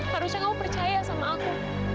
harusnya kamu percaya sama aku